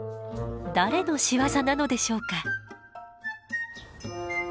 誰の仕業なのでしょうか？